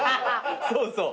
そうそう。